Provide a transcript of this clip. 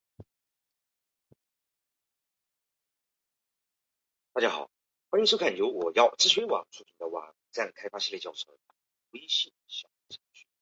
分为神南一丁目与神南二丁目。